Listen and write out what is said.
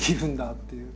っていう。